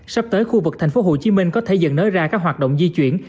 sắp tới khu vực thành phố hồ chí minh có thể dần nới ra các hoạt động di chuyển